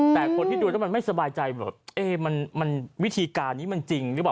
แต่คนที่ดูก็ไม่สบายใจว่าวิธีการนี้มันจริงหรือเปล่า